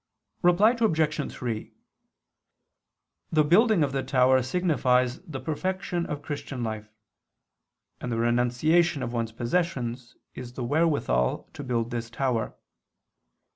Reply Obj. 3: The building of the tower signifies the perfection of Christian life; and the renunciation of one's possessions is the wherewithal to build this tower.